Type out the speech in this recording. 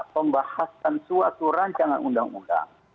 pembahasan suatu rancangan undang undang